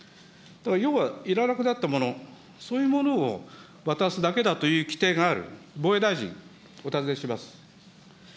要はいらなくなったもの、そういうものを渡すだけだという規定がある。